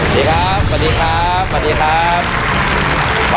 สวัสดีครับสวัสดีครับสวัสดีครับ